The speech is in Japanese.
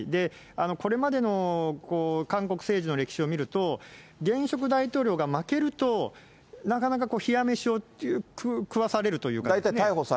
これまでの韓国政治の歴史を見ると、現職大統領が負けると、なかなか冷や飯を食わされるというか。